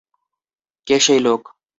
কে সেই লোক?